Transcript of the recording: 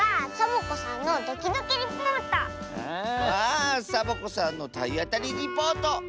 あサボ子さんのたいあたりリポート！